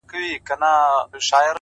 څه ويلاى نه سم;